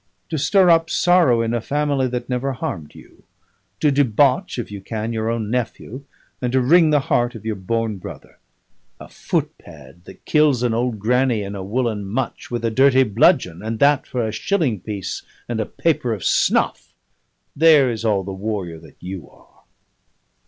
to stir up sorrow in a family that never harmed you, to debauch (if you can) your own nephew, and to wring the heart of your born brother! A footpad that kills an old granny in a woollen mutch with a dirty bludgeon, and that for a shilling piece and a paper of snuff there is all the warrior that you are."